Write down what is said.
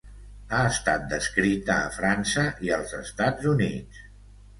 Ha estat descrita a França i als Estats Units.